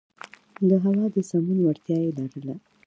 د هوا د سمون وړتیا یې لرله.